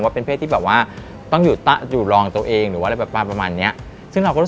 คุณก็มีอารมณ์โกรธ